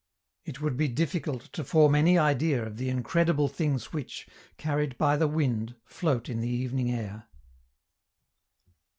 It would be difficult to form any idea of the incredible things which, carried by the wind, float in the evening air.